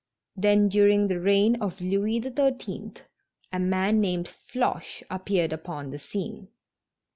Then, during the reign of Louis XIII., a man named Floche appeared upon the scene.